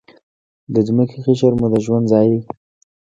د ځمکې قشر مو د ژوند ځای دی.